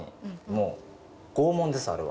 もう拷問ですあれは。